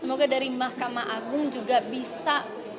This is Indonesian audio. semoga dari mahkamah agung juga bisa